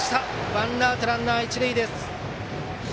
ワンアウトランナー、一塁です。